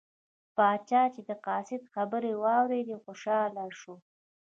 پاچا چې د قاصد خبرې واوریدې خوشحاله شو.